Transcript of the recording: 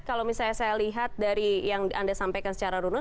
kalau misalnya saya lihat dari yang anda sampaikan secara runut